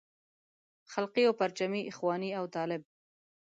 خلقي او پرچمي اخواني او طالب.